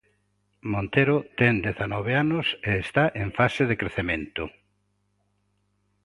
Montero ten dezanove anos e está en fase de crecemento.